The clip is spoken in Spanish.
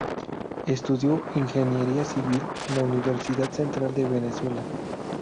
Estudió ingeniería civil en la Universidad Central de Venezuela.